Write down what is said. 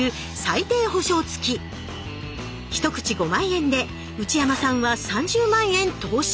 １口５万円で内山さんは３０万円投資。